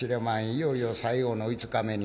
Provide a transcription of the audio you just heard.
いよいよ最後の５日目に。